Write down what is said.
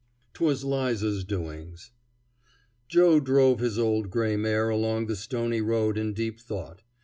'TWAS LIZA'S DOINGS Joe drove his old gray mare along the stony road in deep thought.